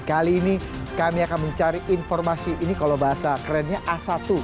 kali ini kami akan mencari informasi ini kalau bahasa kerennya a satu